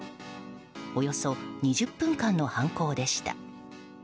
およそ２０分間の犯行でした。